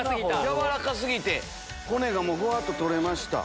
軟らか過ぎて骨がふわっと取れました。